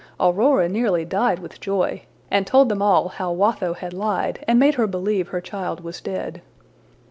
Aurora nearly died with joy, and told them all how Watho had lied and made her believe her child was dead.